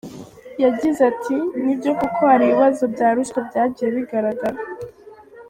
Yagize ati “Nibyo koko hari ibibazo bya ruswa byagiye bigaragara.